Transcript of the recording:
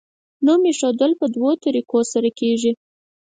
نوم ایښودل په دوو طریقو سره کیږي.